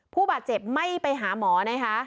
ผู้บาดเจ็บไม่ไปหาหมอนะคะ